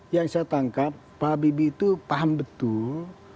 yang saya tangkap pak habibie itu paham betul